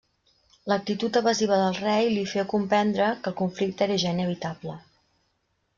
L'actitud evasiva del rei li féu comprendre que el conflicte era ja inevitable.